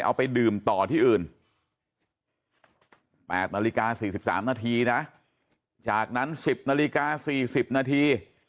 เอาไปดื่มต่อที่อื่น๘นาฬิกา๔๓นาทีนะจากนั้น๑๐นาฬิกา๔๐นาที